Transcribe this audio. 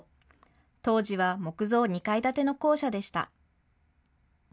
当時は木造２階建ての校舎でした。